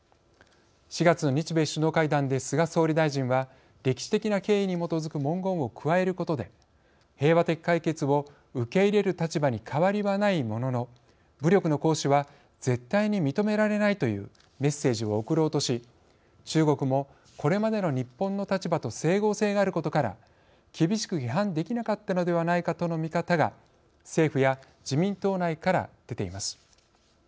４月の日米首脳会談で菅総理大臣は歴史的な経緯に基づく文言を加えることで平和的解決を受け入れる立場に変わりはないものの武力の行使は絶対に認められないというメッセージを送ろうとし中国もこれまでの日本の立場と整合性があることから厳しく批判できなかったのではないかとの見方が政府や自民党内から出ています。